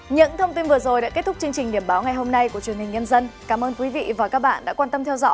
những thông tin vừa rồi đã kết thúc chương trình điểm báo ngày hôm nay của truyền hình nhân dân